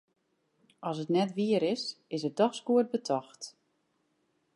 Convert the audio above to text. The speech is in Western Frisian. As it net wier is, is it dochs goed betocht.